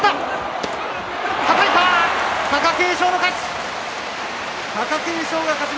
貴景勝の勝ち。